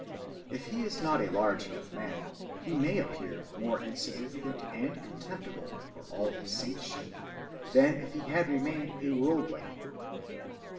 If he is not a large enough man, he may appear more insignificant and contemptible, for all his saintship, than if he had remained a worldling.